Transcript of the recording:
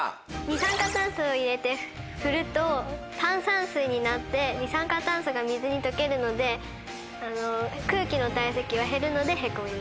二酸化炭素を入れて振ると炭酸水になって二酸化炭素が水に溶けるので空気の体積は減るのでへこみます。